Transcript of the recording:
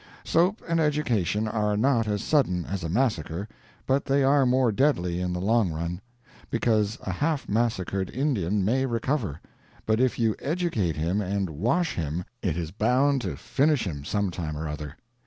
Soap and education are not as sudden as a massacre, but they are more deadly in the long run; because a half massacred Indian may recover, but if you educate him and wash him, it is bound to finish him some time or other.